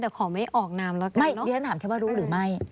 แต่ขอไม่ออกนามแล้วกันดิฉันถามแค่ว่ารู้หรือไม่